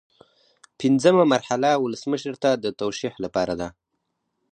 پنځمه مرحله ولسمشر ته د توشیح لپاره ده.